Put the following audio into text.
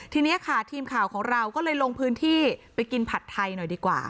ทีนี้ค่ะทีมข่าวของเราก็เลยลงพื้นที่ไปกินผัดไทยหน่อยดีกว่า